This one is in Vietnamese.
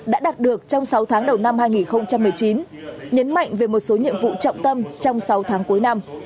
đã đạt được trong sáu tháng đầu năm hai nghìn một mươi chín nhấn mạnh về một số nhiệm vụ trọng tâm trong sáu tháng cuối năm